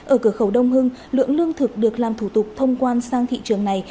ở cửa khẩu đông hưng lượng lương thực được làm thủ tục thông quan sang thị trường này